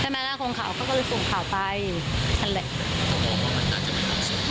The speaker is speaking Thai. ใช่ไหมล่ะคนข่าวเขาก็เลยส่งข่าวไปนั่นแหละ